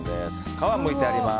皮をむいてあります。